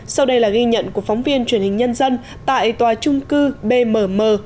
sau đây là ghi nhận của phóng viên truyền hình nhân dân tại tòa trung cư bmm